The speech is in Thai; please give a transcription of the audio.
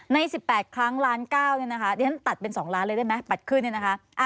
ใน๑๘ครั้งล้าน๙เนี่ยนะคะเรียนตัดเป็น๒ล้านเลยได้ไหมปัดขึ้นเนี่ยนะคะ